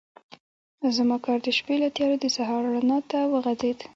زما کار د شپې له تیارو د سهار رڼا ته وغځېد.